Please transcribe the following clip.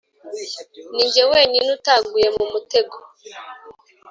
ninjye wenyine utaguye mu mutego.